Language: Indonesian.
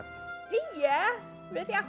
semua ini pas jaga darahmu